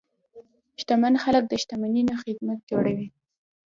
شتمن خلک د شتمنۍ نه خدمت جوړوي.